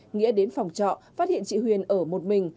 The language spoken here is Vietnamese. nghĩa đến phòng trọ phát hiện chị huyền ở một mình